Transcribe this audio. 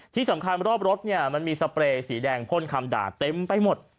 ที่สำคัญรอบรถเนี่ยมันมีสเปรย์สีแดงพ่นคำด่าเต็มไปหมด